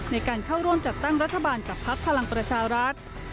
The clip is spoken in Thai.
ในการเข้าร่วมจัดตั้งรัฐบาลกับพักพลังประชารัฐ